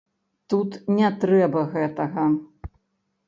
Ну не трэба гэтага.